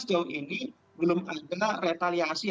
sejauh ini belum ada retaliasi